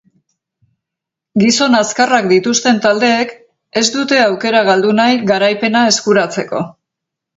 Gizon azkarrak dituzten taldeek ez dute aukera galdu nahi garaipena eskuratzeko.